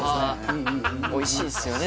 おいしいですよね